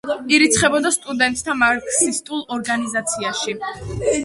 ირიცხებოდა სტუდენტთა მარქსისტულ ორგანიზაციაში.